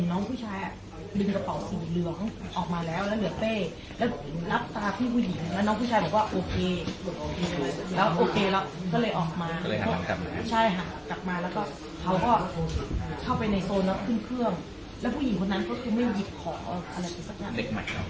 เขาก็เข้าไปในโซนแล้วขึ้นเครื่องแล้วผู้หญิงคนนั้นเขาคือ